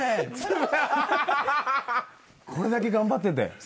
これだけ頑張ってて。